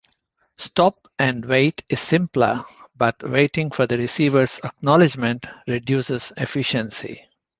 Stop-and-wait is simpler, but waiting for the receiver's acknowledgment reduces efficiency.